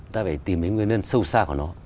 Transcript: ta phải tìm đến nguyên nhân sâu xa của nó